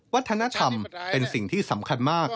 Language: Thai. วัฒนธรรมเป็นสิ่งที่สำคัญมาก